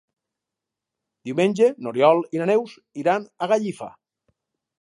Diumenge n'Oriol i na Neus iran a Gallifa.